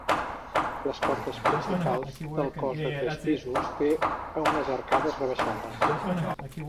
Les portes principals del cos de tres pisos té unes arcades rebaixades.